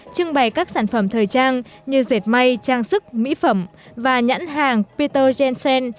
trưng bày các sản phẩm thời trang như dệt may trang sức mỹ phẩm và nhãn hàng peter jensen